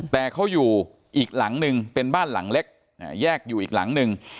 แต่เขาอยู่อีกหลังนึงเป็นบ้านหลังเล็กแยกอยู่อีกหลังนึง